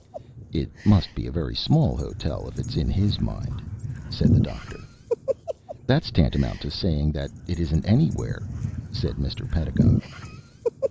"It must be a very small hotel if it's in his mind," said the Doctor. "That's tantamount to saying that it isn't anywhere," said Mr. Pedagog.